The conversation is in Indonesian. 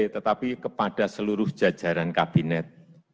tetapi kepada seluruh jajaran kabinet